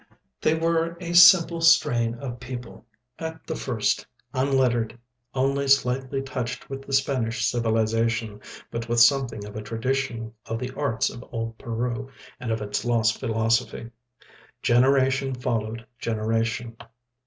They were a simple strain of people at the first, unlettered, only slightly touched with the Spanish civilisation, but with something of a tradition of the arts of old Peru and of its lost philosophy. Generation followed generation.